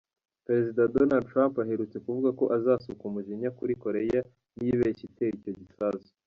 Perezida Donald Trump aherutse kuvuga ko azasuka umujinya kuri Koreya niyibeshya itera icyo gisasu.